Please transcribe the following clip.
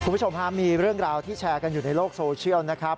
คุณผู้ชมฮะมีเรื่องราวที่แชร์กันอยู่ในโลกโซเชียลนะครับ